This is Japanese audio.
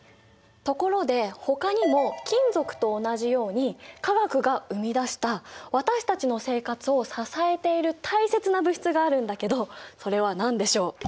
ところでほかにも金属と同じように化学が生み出した私たちの生活を支えている大切な物質があるんだけどそれは何でしょう？